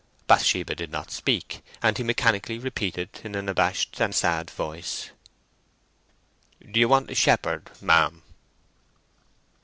Bathsheba did not speak, and he mechanically repeated in an abashed and sad voice,— "Do you want a shepherd, ma'am?"